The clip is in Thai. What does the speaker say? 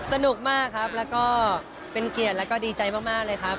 สนุกมากครับแล้วก็เป็นเกียรติแล้วก็ดีใจมากเลยครับ